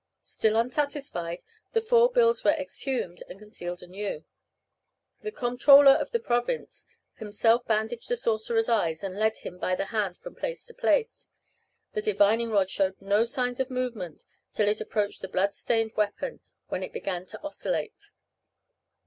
Still unsatisfied, the four bills were exhumed and concealed anew. The comptroller of the province himself bandaged the sorcerer's eyes, and led him by the hand from place to place. The divining rod showed no signs of movement till it approached the blood stained weapon, when it began to oscillate.